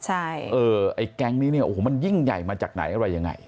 ไอ้แก๊งนี้มันยิ่งใหญ่มาจากไหนอะไรยังไง